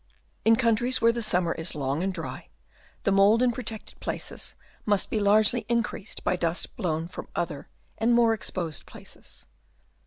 In countries where the summer is long and dry, the mould in protected places must be largely increased by dust blown from other and more exposed places.